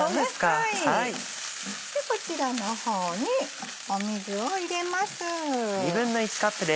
でこちらの方に水を入れます。